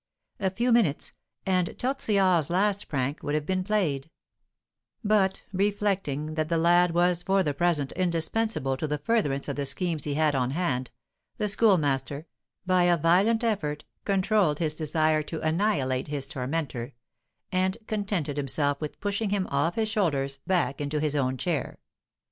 A few minutes, and Tortillard's last prank would have been played; but, reflecting that the lad was for the present indispensable to the furtherance of the schemes he had on hand, the Schoolmaster, by a violent effort, controlled his desire to annihilate his tormentor, and contented himself with pushing him off his shoulders back into his own chair.